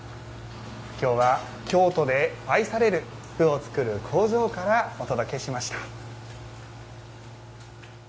今日は、京都で愛される麩を作る工場からお届けしました。